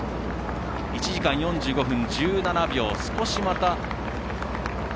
１時間４５分１７秒。